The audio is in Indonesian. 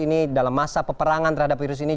ini dalam masa peperangan terhadap virus ini